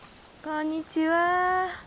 こんにちは。